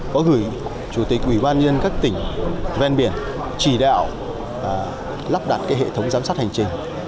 có gửi chủ tịch ủy ban nhân các tỉnh ven biển chỉ đạo lắp đặt hệ thống giám sát hành trình